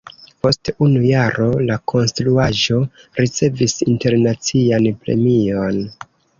Post unu jaro la konstruaĵo ricevis internacian premion.